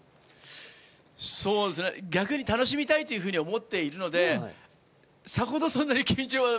逆に楽しみたいというふうに思っているのでさほど、そんなに緊張は。